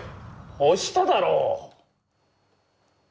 押しただろ！